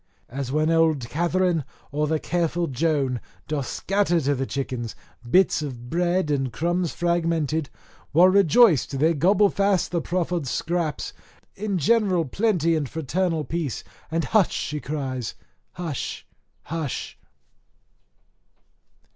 As when old Catherine or the careful Joan doth scatter to the chickens bits of bread and crumbs fragmented, while rejoiced they gobble fast the proffered scraps in general plenty and fraternal peace, and "hush," she cries, "hush! hush!"